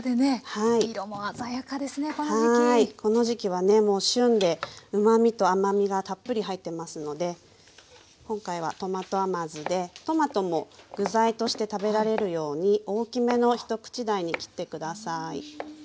はいこの時期はねもう旬でうまみと甘みがたっぷり入ってますので今回はトマト甘酢でトマトも具材として食べられるように大きめの一口大に切って下さい。